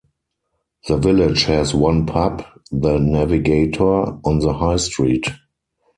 The village has one pub, The Navigator, on the High Street.